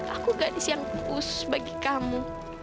aku gadis yang empus bagi kamu